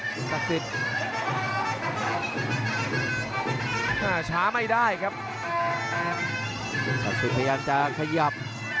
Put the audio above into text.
คุณศักดิ์สิทธิ์อ่าช้าไม่ได้ครับศักดิ์สิทธิ์พยายามจะขยับ